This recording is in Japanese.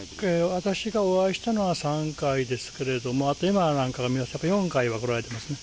私がお会いしたのは３回ですけれども、あと、４回は来られてますね。